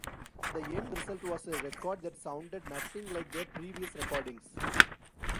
The end result was a record that sounded nothing like their previous recordings.